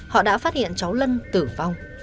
họ đã phát hiện cháu lân tử vong